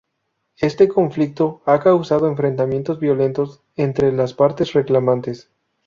Este conflicto ha causado enfrentamientos violentos entre las partes reclamantes.